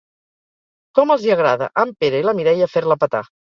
Com els hi agrada a en Pere i la Mireia fer-la petar.